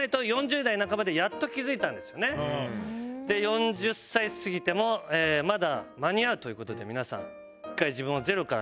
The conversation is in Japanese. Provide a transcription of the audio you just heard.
４０歳過ぎてもまだ間に合うという事で皆さん。